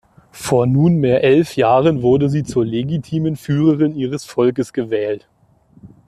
Vor nunmehr elf Jahren wurde sie zur legitimen Führerin ihres Volkes gewählt.